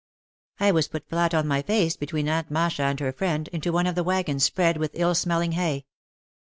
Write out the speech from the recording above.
I was put flat on my face between Aunt Masha and her friend, into one of the wagons spread with ill smelling hay.